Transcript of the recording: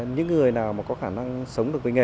những người nào mà có khả năng sống được với nghề